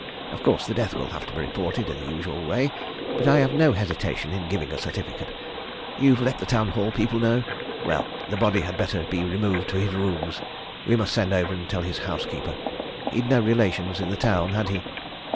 Of course, the death will have to be reported in the usual way, but I have no hesitation in giving a certificate. You've let the Town Hall people know? Well, the body had better be removed to his rooms we must send over and tell his housekeeper. He'd no relations in the town, had he?"